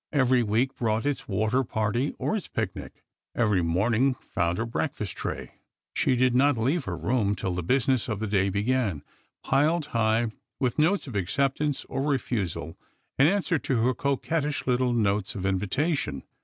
Every week brought its water party or its picnic. Every morn ing found her breakfast tray — she did not leave her room till the business of the day began — piled high with notes of acceptance or refusal in answer to her coquettish little notes of invitation.